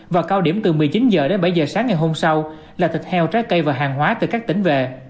vào cao điểm từ một mươi chín h đến bảy h sáng ngày hôm sau là thịt heo trái cây và hàng hóa từ các tỉnh về